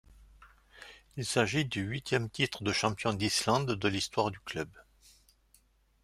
Il s'agit du huitième titre de champion d'islande de l'histoire du club.